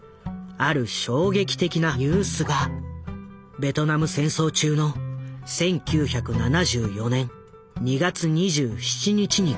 ある衝撃的なニュースがベトナム戦争中の１９７４年２月２７日に届いた。